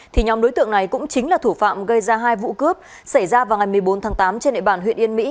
thì nhóm đối tượng này cũng chính là thủ phạm gây ra hai vụ cướp xảy ra vào ngày một mươi bốn tháng tám trên địa bàn huyện yên mỹ